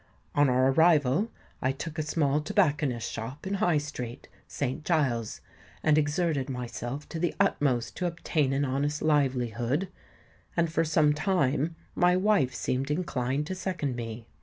On our arrival, I took a small tobacconist's shop in High Street, St. Giles's, and exerted myself to the utmost to obtain an honest livelihood; and for some time my wife seemed inclined to second me.